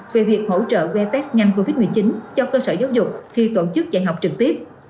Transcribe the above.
về việc hỗ trợ quay test nhanh covid một mươi chín cho cơ sở giáo dục khi tổ chức dạy học trực tiếp